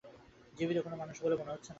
জীবিত কোনো মানুষ বলে মনে হচ্ছে না।